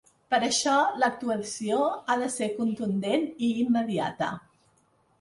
Per això l’actuació ha de ser contundent i immediata.